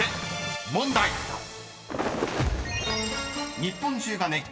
［日本中が熱狂！